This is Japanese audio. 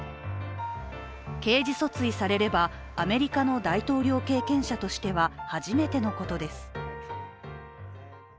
刑事訴追されれば、アメリカの大統領経験者としては初めてのことです。